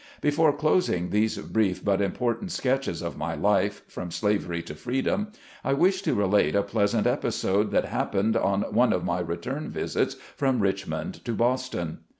Before closing these brief but important sketches of my life, from slavery to freedom, I wish to relate a pleasant episode that happened on one of my return visits from Richmond to Boston.